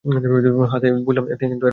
হ্যাঁঁ তিন তো বুঝলাম এরপরে কী?